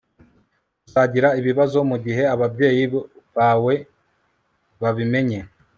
Uzagira ibibazo mugihe ababyeyi bawe babimenye